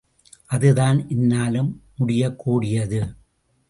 அதுதான் என்னாலும் முடியக் கூடியது.